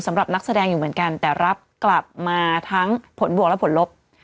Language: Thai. สำหรับนักแสดงอยู่เหมือนกันแต่รับกลับมาทั้งผลบวกและผลลบ